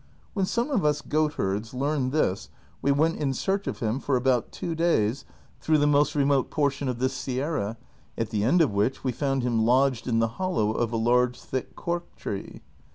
When some of us goatherds learned this Ave Avent in search of him for about tAVO days through the most remote portion of this sierra, at the end of Avhich Ave found him lodged in the holloAV of a large thick cork tree.